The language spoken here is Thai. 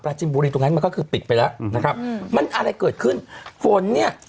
ะบูรีมันก็คือปิดไปแล้วนะครับมันอะไรเกิดขึ้นฝนเนี้ย